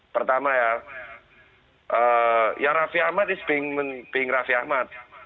pertama ya ya raffi ahmad is being raffi ahmad